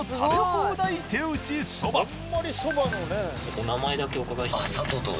お名前だけお伺いしても。